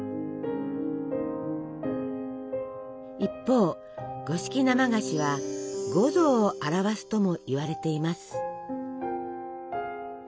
一方五色生菓子は五臓を表すともいわれています。